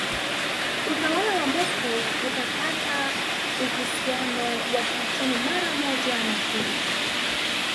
Utawala wa Moscow ukakata uhusiano wa kiuchumi maramoja na Cuba